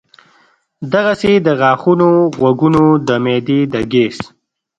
دغسې د غاښونو ، غوږونو ، د معدې د ګېس ،